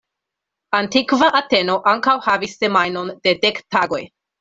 Antikva Ateno ankaŭ havis semajnon de dek tagoj.